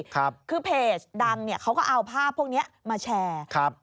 คือเพจดังเขาก็เอาภาพพวกนี้มาแชร์